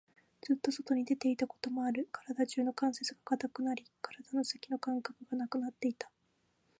ずっと外に出ていたこともある。体中の関節が堅くなり、体の先の感覚がなくなっていた。